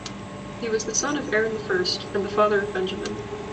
He was the son of Aaron I and the father of Benjamin.